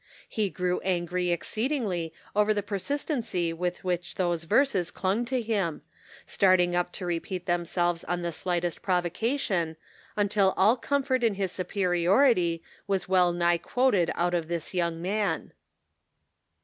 He grew angry exceedingly over the persistency with which those verses clung to him, starting up to repeat themselves on the slightest provocation, until all comfort in his superiority was well nigh quoted out of this young man.